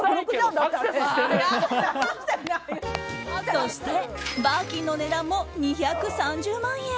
そしてバーキンの値段も２３０万円。